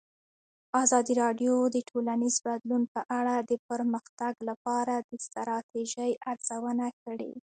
ازادي راډیو د ټولنیز بدلون په اړه د پرمختګ لپاره د ستراتیژۍ ارزونه کړې.